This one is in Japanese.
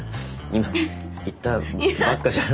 今言ったばっかじゃん。